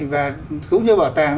và cũng như bảo tàng